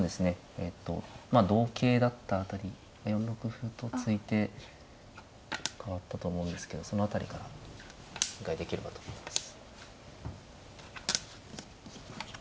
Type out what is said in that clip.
えっとまあ同形だった辺り４六歩と突いてかわったと思うんですけどその辺りからお願いできればと思います。